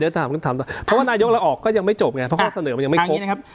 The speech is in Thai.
เดี๋ยวถามกันต่อเพราะว่านายยกอะไรออกก็ยังไม่จบไงเพราะข้อเสนอมันยังไม่ครบ